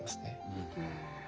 うん。